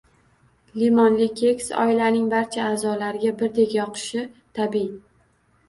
Limonli keks oilaning barcha a’zolariga birdek yoqishi tabiiy